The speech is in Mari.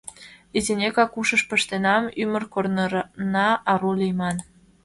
Изинекак ушыш пыштенам: Ӱмыр корнына ару лийман.